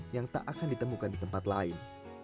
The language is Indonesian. yang tak akan ditemukan di tempat lain